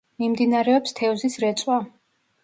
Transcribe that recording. მიმდინარეობს თევზის რეწვა.